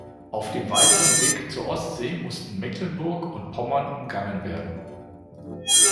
Auf dem weiteren Weg zur Ostsee mussten Mecklenburg und Pommern umgangen werden.